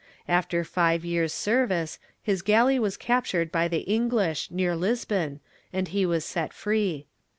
After five years' service, his galley was captured by the EngHsh, near Lisbon, and he was set free.